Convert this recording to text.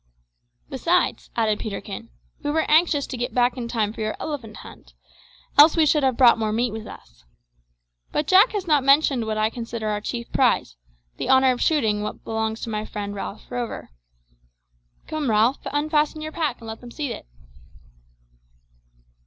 "Besides," added Peterkin, "we were anxious to get back in time for your elephant hunt, else we should have brought more meat with us. But Jack has not mentioned what I consider our chief prize, the honour of shooting which belongs to my friend Ralph Rover. Come, Ralph, unfasten your pack and let them see it."